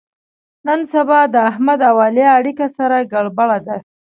نن سبا د احمد او علي اړیکه سره ګړبړ ده.